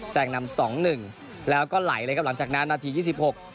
งนำสองหนึ่งแล้วก็ไหลเลยครับหลังจากนั้นนาทียี่สิบหก